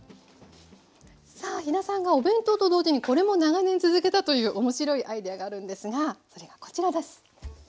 さあ飛田さんがお弁当と同時にこれも長年続けたという面白いアイデアがあるんですがそれがこちらです。